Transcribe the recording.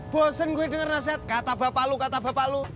bosen gue dengar nasihat kata bapak lu kata bapak lu